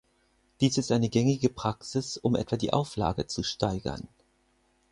Dies ist eine gängige Praxis, um etwa die Auflage zu steigern.